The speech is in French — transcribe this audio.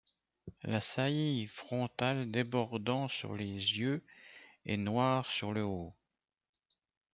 La saillie frontale débordant sur les yeux est noire sur le haut.